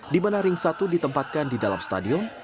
dimana ring satu ditempatkan di dalam stadion